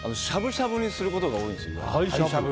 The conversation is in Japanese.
しゃぶしゃぶにすることが多いんですよ。